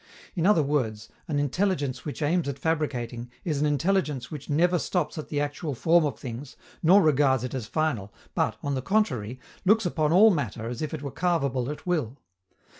In other words, an intelligence which aims at fabricating is an intelligence which never stops at the actual form of things nor regards it as final, but, on the contrary, looks upon all matter as if it were carvable at will.